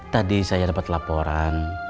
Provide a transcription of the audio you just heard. tadi saya dapet laporan